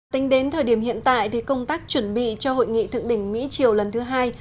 tính đến thời điểm hiện tại thì công tác chuẩn bị cho hội nghị thượng đỉnh mỹ triều lần thứ hai